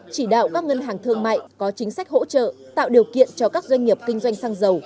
chỉ đạo các ngân hàng thương mại có chính sách hỗ trợ tạo điều kiện cho các doanh nghiệp kinh doanh xăng dầu